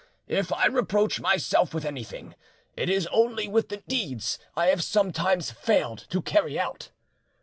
If I reproach myself with anything, it is only with the deeds I have sometimes failed to carry out."